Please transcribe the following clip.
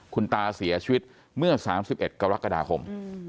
คุณตาเสียชีวิตเมื่อ๓๑กรกฎาคม